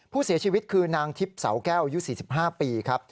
ผู้เสียชีวิตคือนางทิพย์เสาแก้วอายุ๔๕ปีครับ